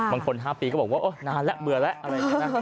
บางคน๕ปีก็บอกว่านานแล้วเหมือนแล้ว